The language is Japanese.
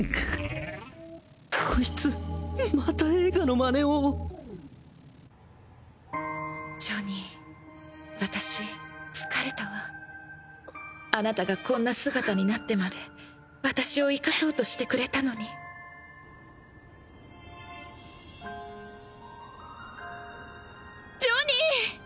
こいつまた映画のマネをジョニー私疲れたわあなたがこんな姿になってまで私を生かそうとしてくれたのにジョニー！